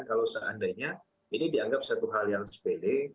kalau seandainya ini dianggap satu hal yang sepele